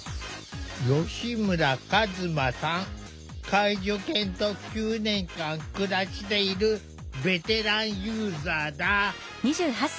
介助犬と９年間暮らしているベテランユーザーだ。